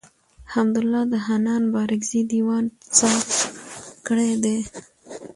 حمدالله د حنان بارکزي دېوان څاپ کړی دﺉ.